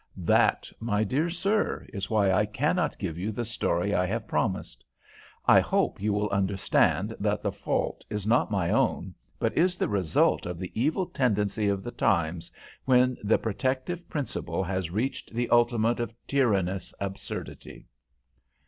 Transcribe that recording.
That, my dear sir, is why I cannot give you the story I have promised. I hope you will understand that the fault is not my own, but is the result of the evil tendency of the times, when the protective principle has reached the ultimate of tyrannous absurdity.